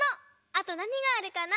あとなにがあるかな？